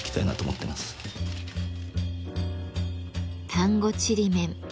丹後ちりめん。